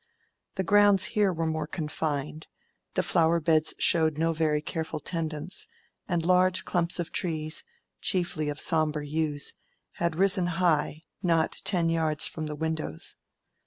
The grounds here were more confined, the flower beds showed no very careful tendance, and large clumps of trees, chiefly of sombre yews, had risen high, not ten yards from the windows.